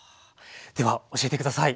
では教えて下さい。